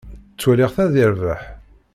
Ttwaliɣ-t ad yerbeḥ.